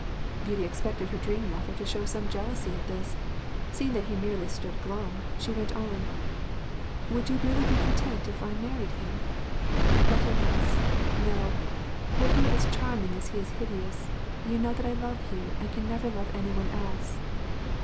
Beauty expected her dream lover to show some jealousy at this; seeing that he merely stood glum, she went on, 'Would you really be content if I married him?... but alas! no; were he as charming as he is hideous, you know that I love you and can never love any one else.'